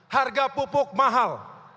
harga pupuk mahal